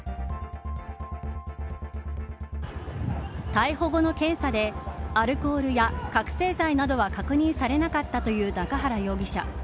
逮捕後の検査でアルコールや、覚せい剤などは確認されなかったという中原容疑者。